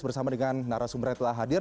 bersama dengan nara sumber yang telah hadir